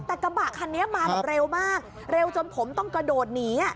แต่กระบะคันนี้มาแบบเร็วมากเร็วจนผมต้องกระโดดหนี